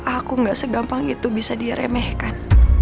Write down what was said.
aku gak segampang itu bisa diremehkan